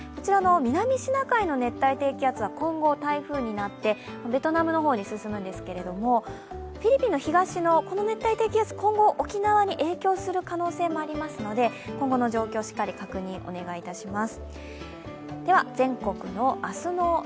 南シナ海の熱帯低気圧は今後台風になってベトナムの方に進むんですけれどもフィリピンの東の熱帯低気圧は今後、沖縄に影響する可能性もありますので、今後の状況をしっかり確認お願いいたします。